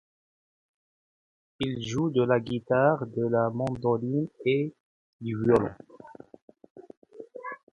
Il joue de la guitare, de la mandoline et du violon.